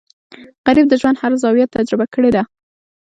غریب د ژوند هر زاویه تجربه کړې ده